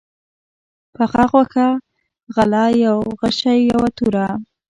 پخه غوښه، غله، يو غشى، يوه توره